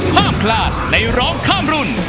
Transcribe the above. ห้ามพลาดในร้องข้ามรุ่น